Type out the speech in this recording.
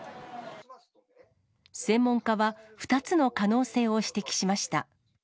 専門家は２つの可能性を指摘しました。